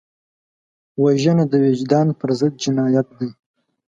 وژنه د وجدان پر ضد جنایت دی